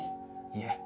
いえ。